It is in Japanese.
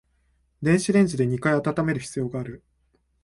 電子レンジで二回温める必要がある